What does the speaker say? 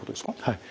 はい。